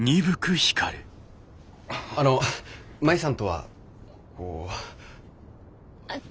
あの舞さんとはこう。